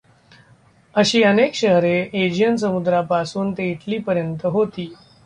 अशी अनेक शहरे एजियन समुद्रापासून ते इटलीपर्यंत होती.